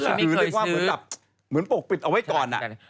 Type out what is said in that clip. คือเรียกว่าเหมือนแบบเหมือนปกปิดเอาไว้ก่อน